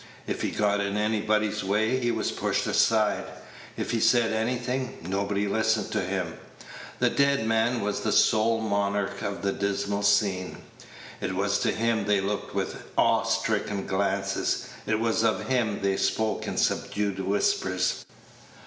If he got in anybody's way, he was pushed aside; if he said anything, nobody listened to him. The dead man was the sole monarch of that dismal scene. It was to him they looked with awe stricken glances; it was of him they spoke in subdued whispers.